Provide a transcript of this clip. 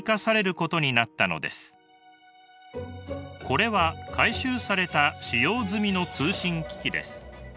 これは回収された使用済みの通信機器です。